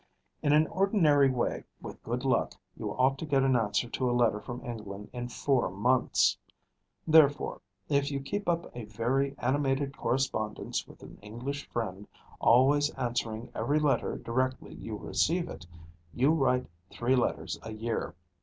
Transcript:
In an ordinary way, with good luck, you ought to get an answer to a letter from England in four months; therefore, if you keep up a very animated correspondence with an English friend, always answering every letter directly you receive it, you write three letters a year.